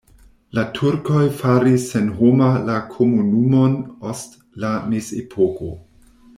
La turkoj faris senhoma la komunumon ost la mezepoko.